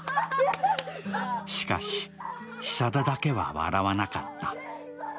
しかし久田だけは笑わなかった。